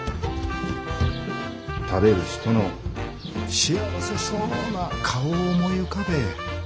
食べる人の幸せそうな顔を思い浮かべえ。